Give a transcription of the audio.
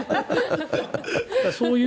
そうそう。